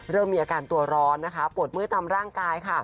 เริ่มมีอาการตัวร้อนปวดเมื่อตามร่างกาย